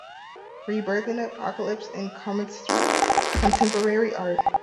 Rebirth and Apocalypse in Contemporary Art'.